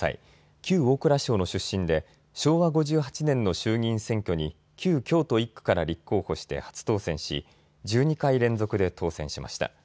旧大蔵省の出身で昭和５８年の衆議院選挙に旧京都１区から立候補して初当選し１２回連続で当選しました。